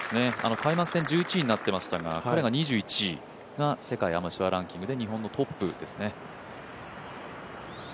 開幕戦１１位になっていましたが彼が２１位、世界アマチュアランキングで日本のトップですね。